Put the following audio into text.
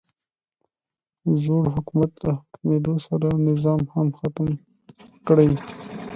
د زوړ حکومت له ختمېدو سره یې نظام هم ختم کړی.